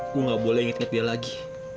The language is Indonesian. gua nggak boleh inget inget dia lagi